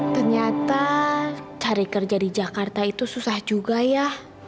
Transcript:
ternyata cari kerja di jakarta itu susah juga ya